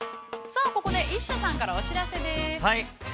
◆さあ、ここでＩＳＳＡさんからお知らせです。